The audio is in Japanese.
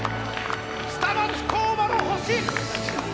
下町工場の星！